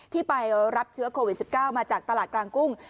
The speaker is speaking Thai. ที่ไปรับเชื้อโควิด๑๙มาจากตลาดกลางกุ้ง